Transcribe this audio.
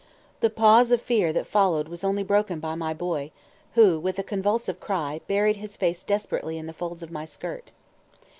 The pause of fear that followed was only broken by my boy, who, with a convulsive cry, buried his face desperately in the folds of my skirt.